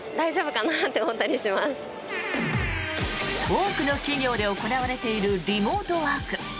多くの企業で行われているリモートワーク。